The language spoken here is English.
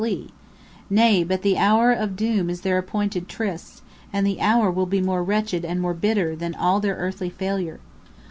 P: Nay, but the Hour (of doom) is their appointed tryst, and the Hour will be more wretched and more bitter (than their earthly failure).